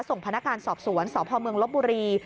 ส่งพนักการณ์สอบสวนสพลบบุรี